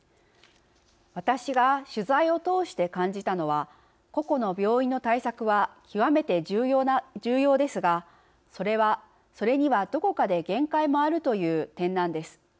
私が取材を通して感じたのは個々の病院の対策は極めて重要ですがそれにはどこかで限界もあるという点なんです。